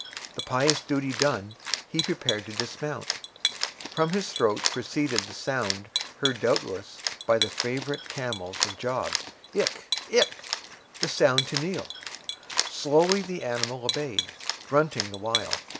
The pious duty done, he prepared to dismount. From his throat proceeded the sound heard doubtless by the favorite camels of Job—Ikh! ikh!—the signal to kneel. Slowly the animal obeyed, grunting the while.